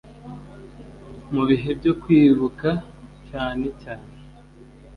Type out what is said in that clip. mu bihe byo kwibbuka cyanne cyane